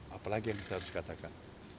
apalagi yang saya harus katakan